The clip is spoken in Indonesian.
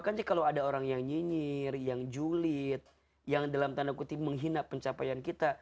kan kalau ada orang yang nyinyir yang julid yang dalam tanda kutip menghina pencapaian kita